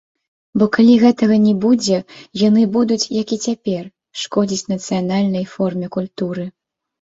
Бо калі гэтага не будзе, яны будуць, як і цяпер, шкодзіць нацыянальнай форме культуры.